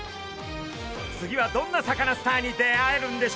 次はどんなサカナスターに出会えるんでしょうか？